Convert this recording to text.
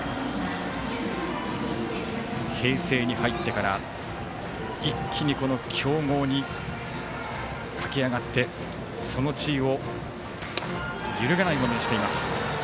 平成に入ってから一気に強豪に駆け上がってその地位を揺るがないものにしています。